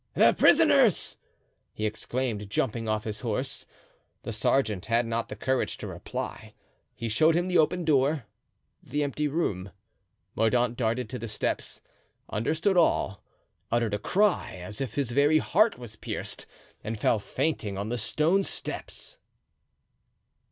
"The prisoners!" he exclaimed, jumping off his horse. The sergeant had not the courage to reply; he showed him the open door, the empty room. Mordaunt darted to the steps, understood all, uttered a cry, as if his very heart was pierced, and fell fainting on the stone steps.